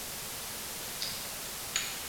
明代宗朱祁钰。